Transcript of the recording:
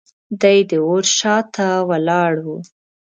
دی د ور شاته ولاړ و.